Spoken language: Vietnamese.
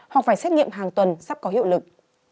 hoặc phải xét nghiệm hàng tuần sắp có hiệu lực